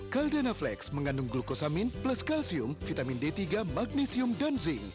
caldana flex mengandung glukosamin plus kalsium vitamin d tiga magnesium dan zinc